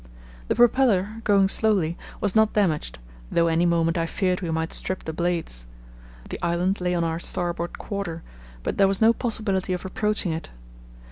The propeller, going slowly, was not damaged, though any moment I feared we might strip the blades. The island lay on our starboard quarter, but there was no possibility of approaching it.